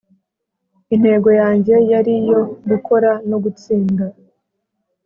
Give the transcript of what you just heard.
intego yanjye yari iyo gukora no gutsinda